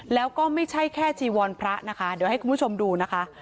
แล้วก็ไม่ใช่แค่จีวรพระนะคะเดี๋ยวให้คุณผู้ชมดูนะคะ